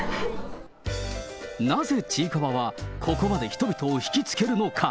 なぜちいかわは、ここまで人々を引きつけるのか。